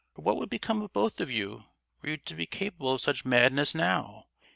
"For what would become of both of you were you to be capable of such madness now?